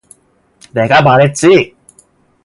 내가 말했지.